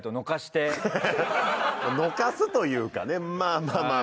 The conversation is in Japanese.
のかすというかねまぁまぁまぁ。